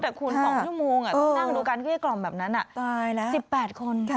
แต่คุณสองชั่วโมงนั่งดูการกลี้กล่อมแบบนั้นตายแล้วสิบแปดคน